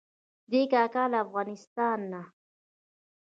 دی کاکا له افغانستانه.